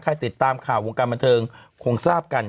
ติดตามข่าววงการบันเทิงคงทราบกัน